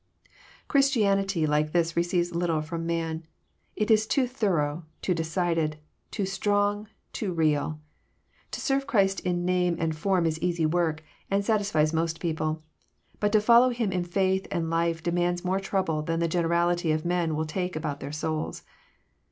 Christianity like this receives little from man. It is too thorough, too decided, too strong, too real. To serve Christ in name and form is easy work, and satisfies most people, but to follow Him in faith and life demands more trouble than the generality of men will take about their souls.